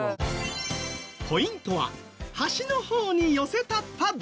ポイントは端の方に寄せたパッド。